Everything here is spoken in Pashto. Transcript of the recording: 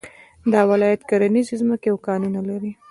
دا ولایت کرنيزې ځمکې او کانونه لري